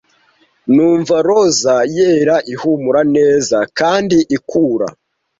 Nunva roza yera ihumura neza kandi ikura,